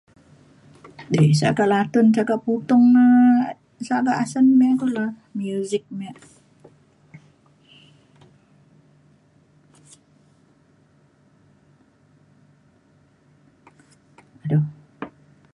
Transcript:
di sagak datun gap utung sagak asen ne kulo muzik mek adu